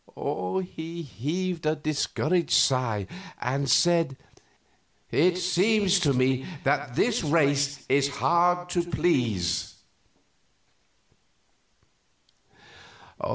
He heaved a discouraged sigh, and said, "It seems to me that this race is hard to please."